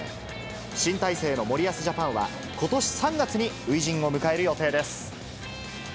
新体制の森保ジャパンは、ことし３月に初陣を迎える予定です。